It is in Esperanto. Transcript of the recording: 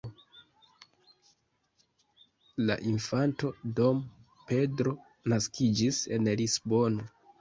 La infanto "dom Pedro" naskiĝis en Lisbono.